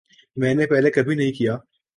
میں نے پہلے کبھی نہیں کیا